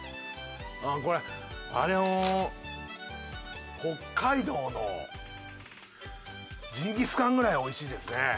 これあれを北海道のジンギスカンぐらいおいしいですね。